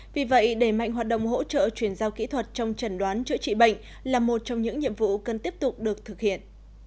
vì vậy đẩy mạnh hoạt động hỗ trợ chuyển giao kỹ thuật trong trần đoán chữa trị bệnh là một trong những nhiệm vụ cần tiếp tục được thực hiện